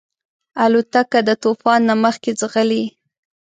الوتکه د طوفان نه مخکې ځغلي.